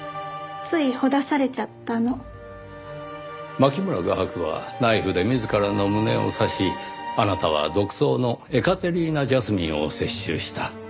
牧村画伯はナイフで自らの胸を刺しあなたは毒草のエカテリーナ・ジャスミンを摂取した。